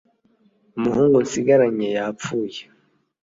umuhungu nsigaranye yapfuye